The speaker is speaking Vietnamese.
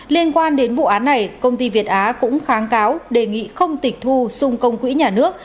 liên quan đến vụ án này công ty việt á cũng kháng cáo đề nghị không tịch thu xung công quỹ nhà nước